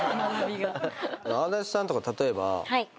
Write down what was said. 安達さんとか例えば。